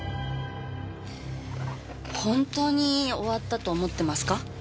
本当に終わったと思ってますか？